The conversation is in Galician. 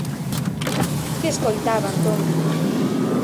Que escoitaba entón?